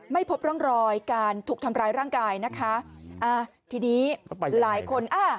ไม่พบร่องรอยการถูกทำร้ายร่างกายนะคะอ่าทีนี้หลายคนอ่า